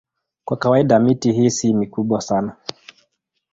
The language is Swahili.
Kwa kawaida miti hii si mikubwa sana.